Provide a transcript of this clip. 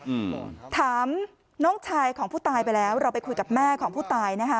อืมถามน้องชายของผู้ตายไปแล้วเราไปคุยกับแม่ของผู้ตายนะคะ